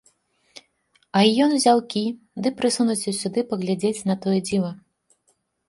А й ён узяў кіёк ды прысунуўся сюды паглядзець на тое дзіва.